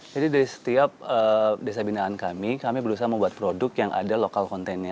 jadi dari setiap desa bindaan kami kami berusaha membuat produk yang ada local content nya